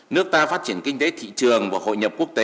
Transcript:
nước ta phát triển kinh tế thị trường và hội nhập quốc tế